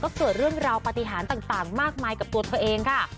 ก็เกิดเรื่องราวปฏิหารต่างมากมายกับตัวเธอเองค่ะ